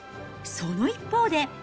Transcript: その一方で。